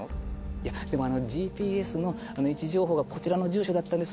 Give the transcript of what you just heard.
いやでもＧＰＳの位置情報がこちらの住所だったんです。